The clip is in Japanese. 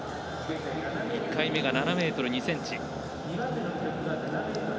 １回目が７ｍ２ｃｍ。